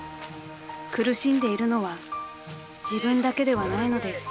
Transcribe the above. ［苦しんでいるのは自分だけではないのです］